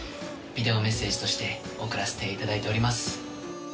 ビデオメッセージとして送らせていただいております。